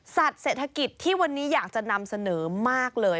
เศรษฐกิจที่วันนี้อยากจะนำเสนอมากเลย